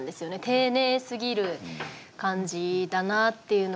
丁寧すぎる感じだなっていうのが。